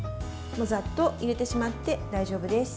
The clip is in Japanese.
ざっと入れてしまって大丈夫です。